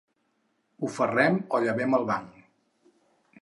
O ferrem o llevem el banc.